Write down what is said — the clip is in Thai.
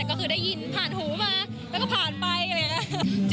ก็คือได้ยินผ่านหูมาแล้วก็ผ่านไป